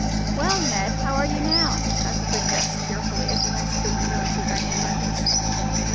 "Well, Ned, how are you now?" Dr. Green asked cheerfully as he went to the window and drew back the curtains.